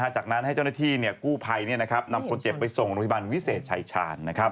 จากนั้นให้เจ้าหน้าที่กู้ภัยนำคนเจ็บไปส่งโรงพยาบาลวิเศษชายชาญ